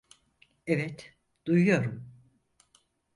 Evet, duyuyorum.